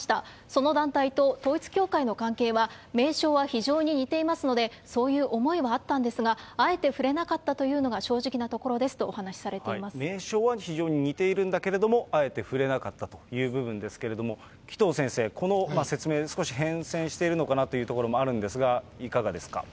その団体と統一教会の関係は名称は非常に似ていますので、そういう思いはあったんですが、あえて触れなかったというのが正直なところですとお話されていま名称は非常に似ているんだけれども、あえて触れなかったという部分ですけれども、紀藤先生、この説明、少し変遷しているのかなというところもあるんですが、いかがですか。